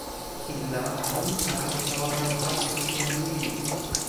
kin la, unpa o tawa pana taso pi jan lili.